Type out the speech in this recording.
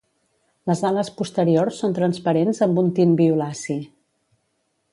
Les ales posteriors són transparents amb un tint violaci.